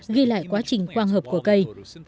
ghi lại quá trình quang hợp của cây